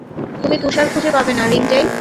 তুমি তুষার খুঁজে পাবে না, রিংটেইল।